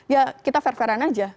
ya kita fair faren aja